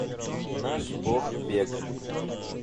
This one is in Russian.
Наш бог бег.